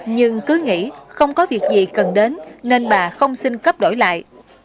nhưng cứ nghĩ không có việc gì cần đến nên bà không xin cấp đổi lại